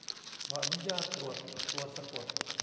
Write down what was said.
ขออนุญาตตรวจตัวสะกด